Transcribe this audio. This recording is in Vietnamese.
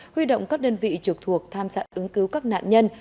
huy động các đơn vị trực thuộc tham gia ứng cứu các nạn nhân